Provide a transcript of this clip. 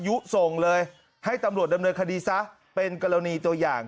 ยุส่งเลยให้ตำรวจดำเนินคดีซะเป็นกรณีตัวอย่าง